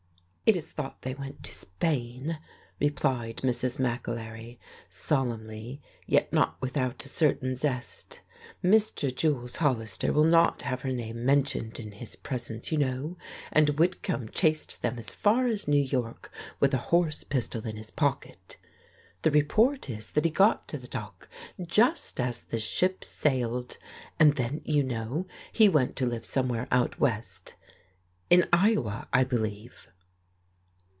"It is thought they went to Spain," replied Mrs. McAlery, solemnly, yet not without a certain zest. "Mr. Jules Hollister will not have her name mentioned in his presence, you know. And Whitcomb chased them as far as New York with a horse pistol in his pocket. The report is that he got to the dock just as the ship sailed. And then, you know, he went to live somewhere out West, in Iowa, I believe."